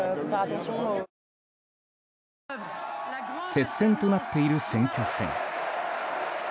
接戦となっている選挙戦。